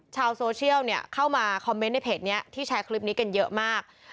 ชาวโซเชียลเข้ามาคอมเมนต์ในเพจนี้ที่แชร์คลิปนี้กันเยอะมาก